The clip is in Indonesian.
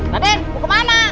raden mau kemana